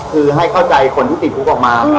คือให้เข้าใจคนที่ติดคุกออกมา